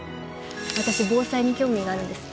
私防災に興味があるんです。